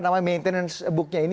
maintenance book nya ini